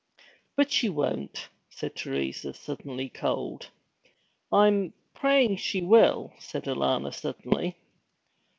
'But she won't,' said Teresa, suddenly cold. 'I'm praying she will,' said Alanna suddenly.